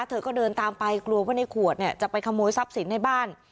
เธอก็เดินตามไปกลัวว่าในขวดเนี่ยจะไปขโมยทรัพย์สินในบ้าน